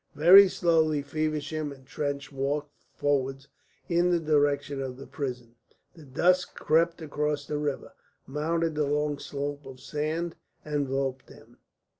Very slowly Feversham and Trench walked forwards in the direction of the prison; the dusk crept across the river, mounted the long slope of sand, enveloped them.